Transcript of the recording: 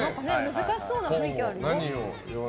難しそうな雰囲気ありますよ。